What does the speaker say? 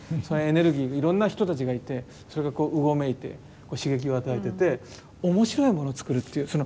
そのエネルギーにいろんな人たちがいてそれがうごめいて刺激を与えてて面白いものをつくるっていう。